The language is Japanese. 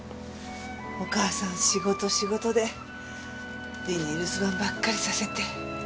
お母さん仕事仕事でりんに留守番ばっかりさせて。